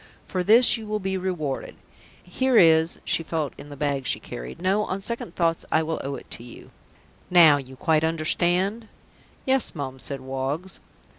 For this you will be rewarded. Here is " She felt in the bag she carried. "No, on second thoughts I will owe it to you. Now you quite understand?" "Yes, Mum," said Woggs.